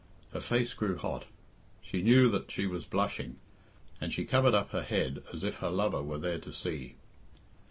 Her face grew hot. She knew that she was blushing, and she covered up her head as if her lover were there to see.